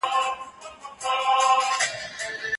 که خلګ زغم ولري، شخړې ختمېږي.